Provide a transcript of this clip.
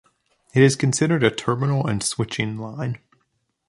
It is considered a terminal and switching line.